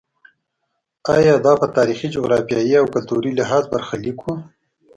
ایا دا په تاریخي، جغرافیایي او کلتوري لحاظ برخلیک و.